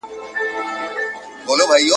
که کتل یې له کلا خلک راوزي `